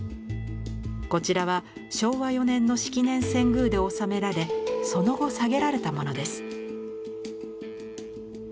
こちらは昭和４年の式年遷宮で納められその後下げられたものです。